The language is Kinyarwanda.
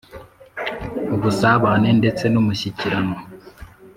Ubusabane ndetse n’umushyikirano